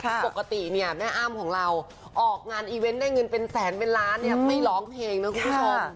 ปกติเนี่ยแม่อ้ำของเราออกงานอีเวนต์ได้เงินเป็นแสนเป็นล้านเนี่ยไม่ร้องเพลงนะคุณผู้ชม